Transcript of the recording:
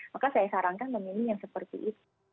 maka saya sarankan memilih yang seperti itu